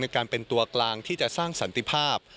การเป็นตัวกลางที่จะสร้างสันติภาพ